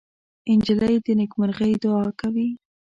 نجلۍ د نیکمرغۍ دعا کوي.